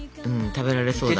食べられそうだね。